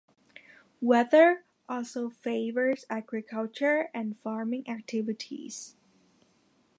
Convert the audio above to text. Weather also favours agriculture and farming activities.